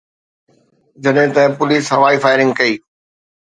جڏهن ته پوليس هوائي فائرنگ ڪئي.